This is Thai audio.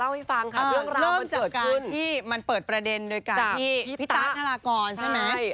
เริ่มจากการที่มันเปิดประเด็นโดยการที่พี่ตาใช่ไหม